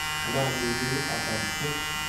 Amah nu nih a kan hmuh.